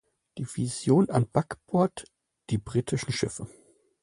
Division an Backbord die britischen Schiffe.